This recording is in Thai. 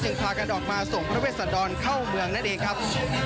พากันออกมาส่งพระเวชษดรเข้าเมืองนั่นเองครับ